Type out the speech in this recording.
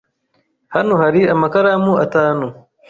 Hano hari amakaramu atanu.